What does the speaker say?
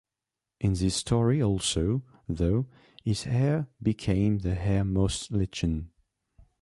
In this story also, though, his hair became the hair moss lichen.